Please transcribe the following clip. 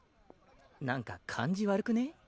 なんか感じ悪くね？